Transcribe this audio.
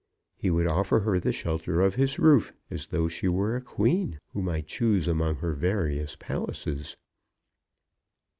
He would offer her the shelter of his roof as though she were a queen who might choose among her various palaces.